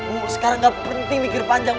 bu sekarang gak penting mikir panjang